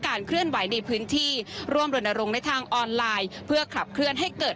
เคลื่อนไหวในพื้นที่ร่วมรณรงค์ในทางออนไลน์เพื่อขับเคลื่อนให้เกิด